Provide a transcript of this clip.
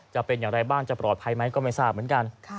จะเป็นอย่างไรบ้างจะปลอดภัยไหมก็ไม่ทราบเหมือนกัน